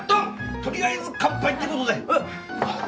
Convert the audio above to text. とりあえず乾杯ってことではっ